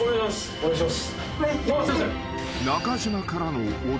お願いします。